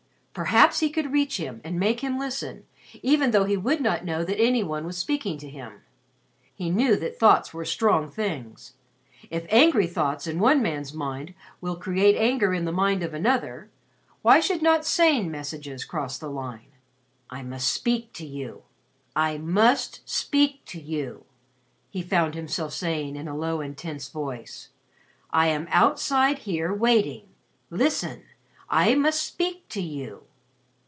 Perhaps he could reach him and make him listen, even though he would not know that any one was speaking to him. He knew that thoughts were strong things. If angry thoughts in one man's mind will create anger in the mind of another, why should not sane messages cross the line? "I must speak to you. I must speak to you!" he found himself saying in a low intense voice. "I am outside here waiting. Listen! I must speak to you!"